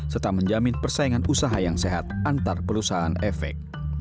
serta menjamin persaingan usaha yang sehat antar perusahaan efek